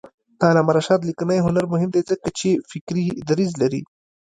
د علامه رشاد لیکنی هنر مهم دی ځکه چې فکري دریځ لري.